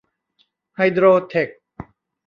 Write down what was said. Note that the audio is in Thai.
ไฮโดรเท็ค